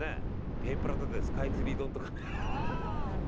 天ぷらでスカイツリー丼とか。